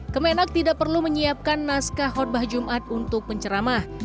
kemenak tidak perlu menyiapkan naskah kotbah jumat untuk penceramah